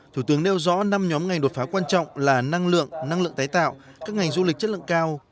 thủ tướng nêu rõ năm nhóm ngành đột phá quan trọng là năng lượng năng lượng tái tạo các ngành du lịch chất lượng cao